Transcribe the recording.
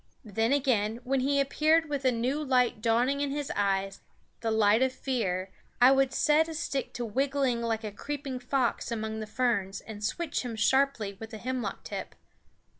Then again, when he appeared with a new light dawning in his eyes, the light of fear, I would set a stick to wiggling like a creeping fox among the ferns and switch him sharply with a hemlock tip.